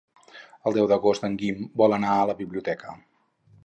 El deu d'agost en Guim vol anar a la biblioteca.